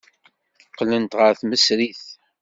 Qqlent ɣer tmesrit.